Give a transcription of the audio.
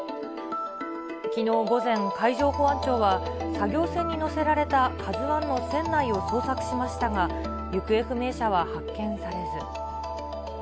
きのう午前、海上保安庁は、作業船に載せられたＫＡＺＵＩの船内を捜索しましたが、行方不明者は発見されず。